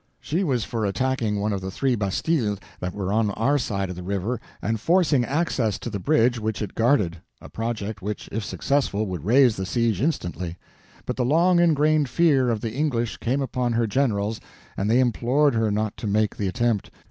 She was for attacking one of the three bastilles that were on our side of the river and forcing access to the bridge which it guarded (a project which, if successful, would raise the siege instantly), but the long ingrained fear of the English came upon her generals and they implored her not to make the attempt.